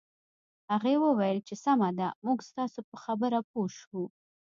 هغې وویل چې سمه ده موږ ستاسو په خبره پوه شوو